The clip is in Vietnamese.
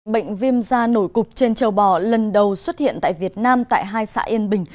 bệnh viêm da nổi cục trên châu bò lần đầu xuất hiện tại việt nam tại hai xã yên bình